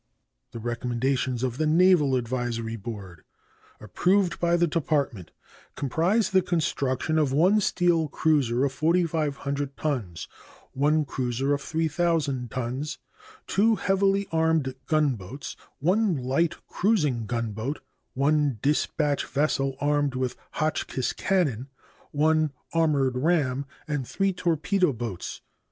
The recommendations of the Naval Advisory Board, approved by the Department, comprise the construction of one steel cruiser of 4,500 tons, one cruiser of 3,000 tons, two heavily armed gunboats, one light cruising gunboat, one dispatch vessel armed with Hotchkiss cannon, one armored ram, and three torpedo boats.